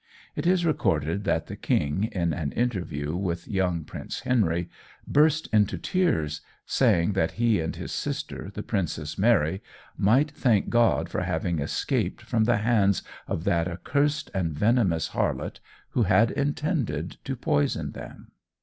It is recorded that the King, in an interview with young Prince Henry, burst into tears, saying that he and his sister, the Princess Mary, might thank God for having escaped from the hands of that accursed and venomous harlot, who had intended to poison them.